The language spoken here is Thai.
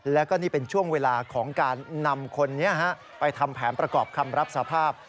แล้วก็นี่เป็นช่วงเวลาของการนำคนนี้ไปทำแผนประกอบคำรับสภาพ